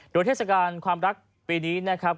โดยเทศกาลความรักปีนี้นะครับ